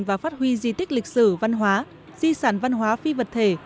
và phát huy di tích lịch sử văn hóa di sản văn hóa phi vật thể